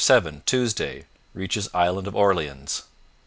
7 Tuesday Reaches Island of Orleans.